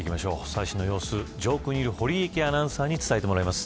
最新の状況、上空にいる堀池アナウンサーに伝えてもらいます。